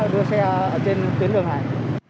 đưa xe trên tuyến đường này